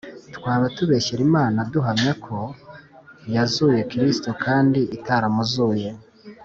twaba tubeshyera Imana duhamya p ko yazuye Kristo kandi itaramuzuye